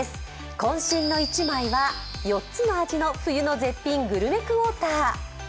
こん身の１枚は、４つの味の冬の絶品グルメクォーター。